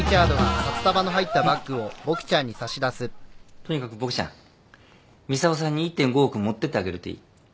とにかくボクちゃん操さんに１．５億持ってってあげるといい。